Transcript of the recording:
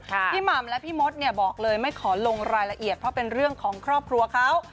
หม่ำและพี่มดเนี่ยบอกเลยไม่ขอลงรายละเอียดเพราะเป็นเรื่องของครอบครัวเขา